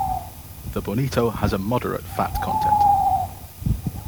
The bonito has a moderate fat content.